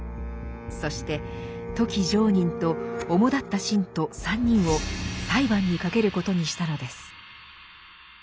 そして富木常忍とおもだった信徒３人を裁判にかけることにしたのです。